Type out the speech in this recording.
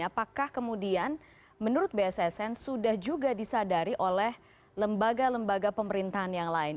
apakah kemudian menurut bssn sudah juga disadari oleh lembaga lembaga pemerintahan yang lain